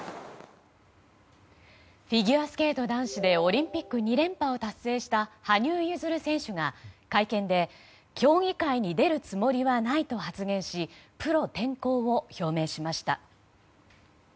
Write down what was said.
フィギュアスケート男子でオリンピック２連覇を達成した羽生結弦選手が会見で競技会に出るつもりはないと発言しプロ転向を表明しました。